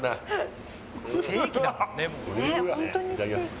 いただきます。